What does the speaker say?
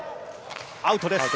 アウトです。